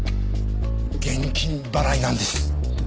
現金払いなんです。